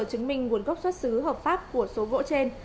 chứng minh nguồn gốc xuất xứ hợp pháp của số gỗ trên